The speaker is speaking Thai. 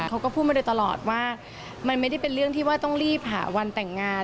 เขาก็พูดมาโดยตลอดว่ามันไม่ได้เป็นเรื่องที่ว่าต้องรีบหาวันแต่งงาน